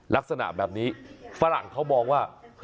ลักษณะแบบนี้ฝรั่งเขามองว่า